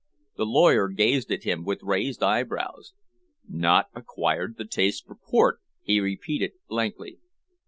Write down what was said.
The lawyer gazed at him with raised eyebrows. "Not acquired the taste for port," he repeated blankly.